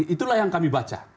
itulah yang kami baca